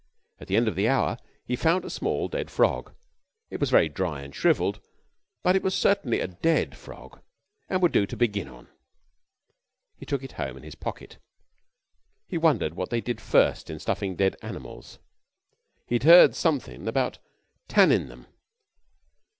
At the end of the hour he found a small dead frog. It was very dry and shrivelled, but it was certainly a dead frog and would do to begin on. He took it home in his pocket. He wondered what they did first in stuffing dead animals. He'd heard something about "tannin'" them.